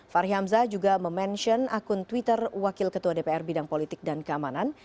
fahri hamzah juga memention akun twitter wakil ketua dpr bidang politik dan keamanan